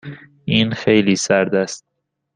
این خیلی سرد است.